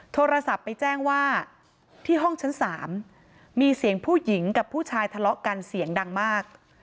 โทรศัพท์ไปแจ้งว่าที่ห้องชั้น๓มีเสียงผู้หญิงกับผู้ชายทะเลาะกันเสียงดังมาก